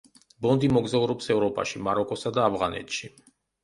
ბონდი მოგზაურობს ევროპაში, მაროკოსა და ავღანეთში.